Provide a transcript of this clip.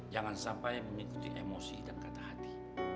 jangan sampai mengikuti emosi dan kata hati